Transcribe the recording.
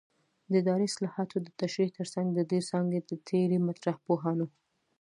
د اداري اصطلاحاتو د تشریح ترڅنګ د دې څانګې د ډېری مطرح پوهانو